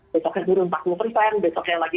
besoknya turun empat puluh persen besoknya lagi